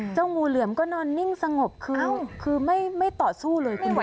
งูเหลือมก็นอนนิ่งสงบคือไม่ต่อสู้เลยคุณบอก